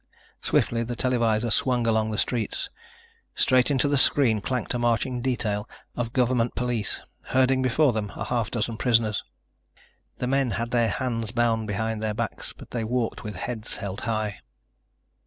Swiftly the televisor swung along the streets. Straight into the screen clanked a marching detail of government police, herding before them a half dozen prisoners. The men had their hands bound behind their backs, but they walked with heads held high.